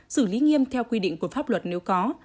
xử lý nghiêm theo quy định của pháp luật nếu có